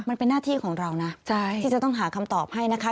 มันเป็นหน้าที่ของเรานะที่จะต้องหาคำตอบให้นะคะ